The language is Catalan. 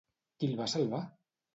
Qui el va salvar?